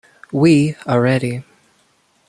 We are ready.